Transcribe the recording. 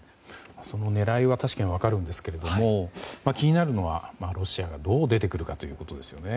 その狙いは確かに分かるんですが気になるのはロシアがどう出てくるかですよね。